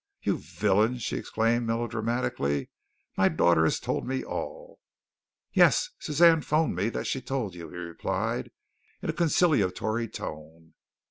"You villain," she exclaimed melodramatically, "my daughter has told me all." "Yes, Suzanne phoned me that she told you," he replied, in a conciliatory tone.